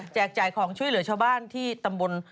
จ่ายของช่วยเหลือชาวบ้านที่ตำบล